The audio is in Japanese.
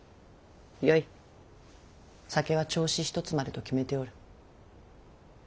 よい酒は銚子１つまでと決めておる。